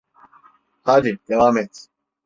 Hadi, devam et.